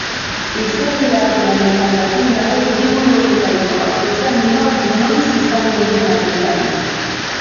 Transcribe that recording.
Izerdi artean eta jakin gabe hiriburu horietako bakoitzean nor noiz izanen den agintari.